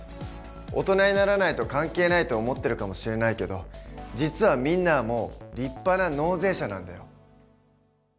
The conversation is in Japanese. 大人にならないと関係ないと思ってるかもしれないけど実はみんなはもう立派な納税者なんだよ。